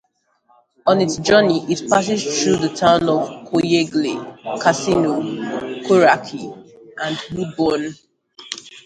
On its journey it passes through the towns of Kyogle, Casino, Coraki and Woodburn.